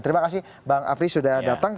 terima kasih bang afri sudah datang